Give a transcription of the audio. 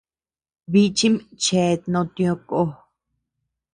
Bichim cheat no tiö ko.